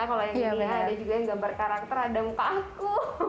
kalau yang ini ada juga yang gambar karakter ada muka aku